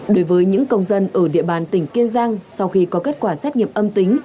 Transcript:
đối với những công dân ở địa bàn tỉnh kiên giang sau khi có kết quả xét nghiệm âm tính